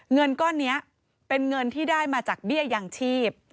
เงินก้อนนี้เป็นเงินที่ได้มาจากเบี้ยยังชีพ